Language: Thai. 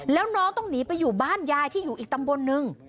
แล้วน้องต้องหนีไปอยู่บ้านยายที่อยู่อีกตำบลนึง